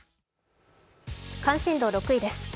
関心度６位です。